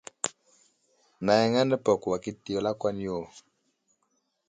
Nayaŋa nəpato wakita i lakwan yo.